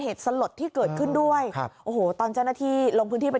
สลดที่เกิดขึ้นด้วยครับโอ้โหตอนเจ้าหน้าที่ลงพื้นที่ไป